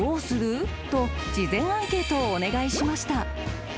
［と事前アンケートをお願いしました］